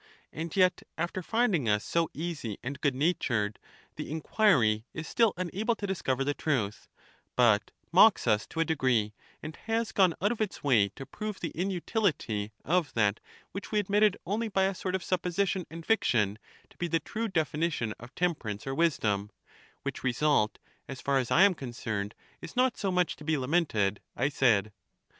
And yet, after finding CHARMIDES 41 us so easy and good natured, the inquiry is still unable to discover the truth ; but mocks us to a degree, and has gone out of its way to prove the inutility of that which we admitted only by a sort of supposition and fiction to be the true definition of temperance or wis dom: which result, as far as I am concerned, is not so much to be lamented, I said.